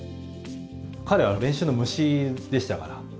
彼はもう練習の虫でしたから。